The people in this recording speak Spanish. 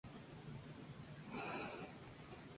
Actualmente es dirigente de la Rugby Football Union.